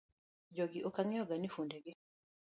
Jogi ok ong'eyo ga ni funde gi.